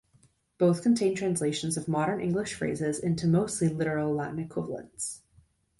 Both contain translations of modern English phrases into mostly literal Latin equivalents.